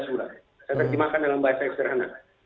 saya terjemahkan dalam bahasa yang sederhana